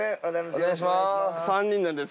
お願いします。